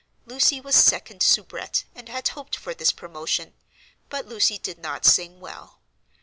Lucy was second soubrette, and had hoped for this promotion; but Lucy did not sing well.